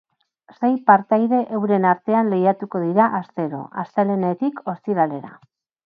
Sei partaide euren artean lehiatuko dira astero, astelehenetik ostiralera.